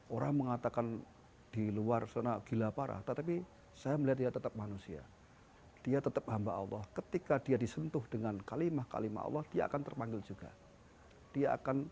orang dengan gangguan jiwa itu bagi saya mereka adalah orang orang yang ditimpa masalah kehidupan